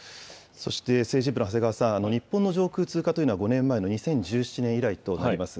そして政治部の長谷川さん、日本の上空通過というのは、５年前の２０１７年以来となります。